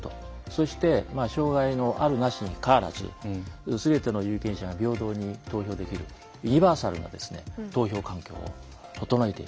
そして障害のあるなしにかかわらずすべての有権者が平等に投票できるユニバーサルな投票環境を整えていく。